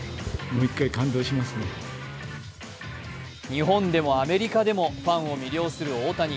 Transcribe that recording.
日本でもアメリカでもファンを魅了する大谷。